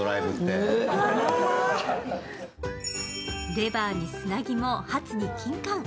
レバーに砂肝、ハツにキンカン。